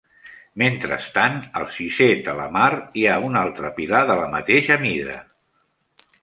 Mentrestant, al sisè "talhamare" hi ha un altre pilar de la mateix mida.